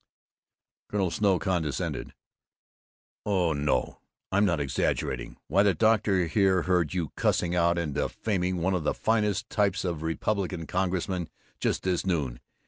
Colonel Snow condescended, "Oh, no, I'm not exaggerating! Why the doctor here heard you cussing out and defaming one of the finest types of Republican congressmen, just this noon!